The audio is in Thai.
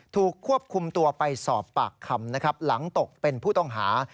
ถูกควบคุมตัวไปสอบปากคำนะครับหลังตกเป็นผู้ต้องหา